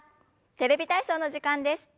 「テレビ体操」の時間です。